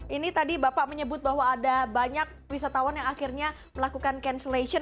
ini tadi bapak menyebut bahwa ada banyak wisatawan yang akhirnya melakukan cancellation